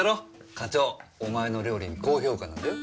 課長お前の料理に高評価なんだよ。